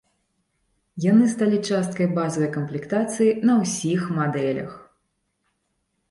Яны сталі часткай базавай камплектацыі на ўсіх мадэлях.